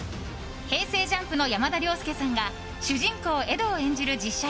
ＪＵＭＰの山田涼介さんが主人公エドを演じる実写